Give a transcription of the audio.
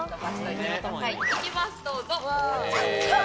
行きます、どうぞ。